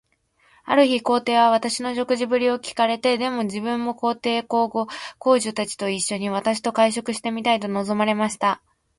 ある日、皇帝は私の食事振りを聞かれて、では自分も皇后、皇子、皇女たちと一しょに、私と会食がしてみたいと望まれました。